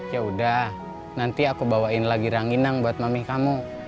ya udah nanti aku bawain lagi ranginang buat mama kamu